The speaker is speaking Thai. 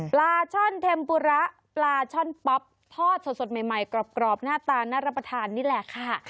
ปลาช่อนเทมปุระปลาช่อนป๊อปทอดสดใหม่กรอบหน้าตาน่ารับประทานนี่แหละค่ะ